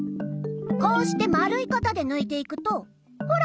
こうしてまるいかたでぬいていくとほら！